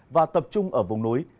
và tập trung ở vùng núi